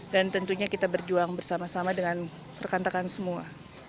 dan tentunya kita berjuang bersama sama dengan perkantakan semua